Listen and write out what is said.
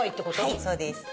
はいそうです。